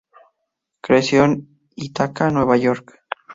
Creció en Ithaca, Nueva York.